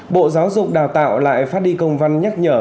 bộ giáo dục đào tạo lại phát đi công văn nhắc nhở